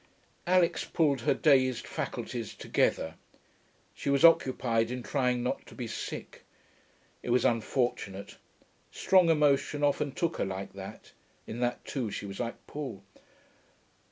Alix pulled her dazed faculties together. She was occupied in trying not to be sick. It was unfortunate: strong emotion often took her like that; in that too she was like Paul.